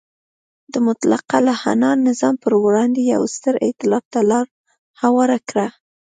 د مطلقه العنان نظام پر وړاندې یو ستر ایتلاف ته لار هواره کړه.